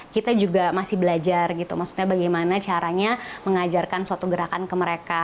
kita juga masih belajar gitu maksudnya bagaimana caranya mengajarkan suatu gerakan ke mereka